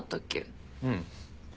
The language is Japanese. うん。